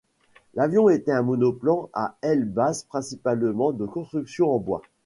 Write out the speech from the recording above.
L'avion était un monoplan à aile basse principalement de construction en bois.